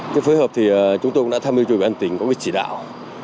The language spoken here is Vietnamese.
cái phối hợp thì chúng tôi cũng đã tham dự cho bản tỉnh có cái chỉ đạo